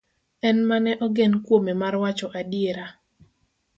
En mane ogen kuome mar wacho adiera.